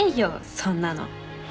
そんなの。